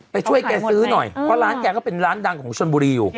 ไปช่วยแกซื้อหน่อยเพราะร้านแกก็เป็นร้านดังของชนบุรีอยู่